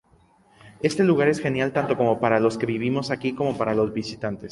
Este lugar es genial tanto para los que vivimos aquí como para los visitantes".